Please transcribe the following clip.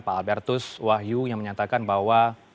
pak albertus wahyu yang menyatakan bahwa